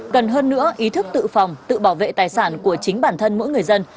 cần hơn nữa ý thức tự phòng tự bảo vệ tài sản của chính bản thân mỗi người dân